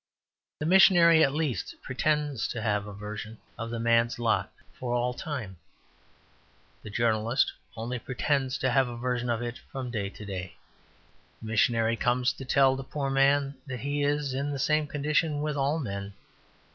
The missionary at least pretends to have a version of the man's lot for all time; the journalist only pretends to have a version of it from day to day. The missionary comes to tell the poor man that he is in the same condition with all men.